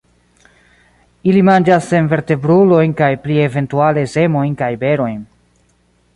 Ili manĝas senvertebrulojn kaj pli eventuale semojn kaj berojn.